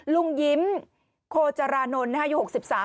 ลุงยิ้มโคจารานนท์นะคะ